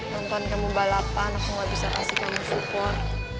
nonton kamu balapan aku gak bisa kasih kamu support